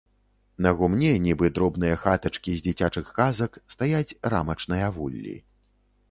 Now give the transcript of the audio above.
На гумне, нібы дробныя хатачкі з дзіцячых казак, стаяць рамачныя вуллі.